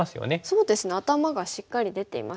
そうですね頭がしっかり出ていますしね。